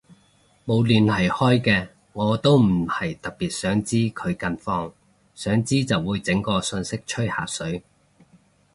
冇聯絡開嘅我都唔係特別想知佢近況，想知就會整個訊息吹下水